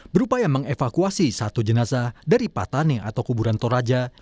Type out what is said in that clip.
berupaya mengevakuasi satu jenazah dari patane atau kuburan toraja